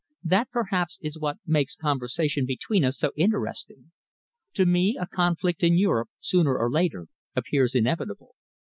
That, perhaps, is what makes conversation between us so interesting. To me, a conflict in Europe, sooner or later, appears inevitable.